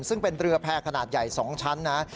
ซึ่งเป็นเรือแพร่ขนาดใหญ่๒ชั้นนะ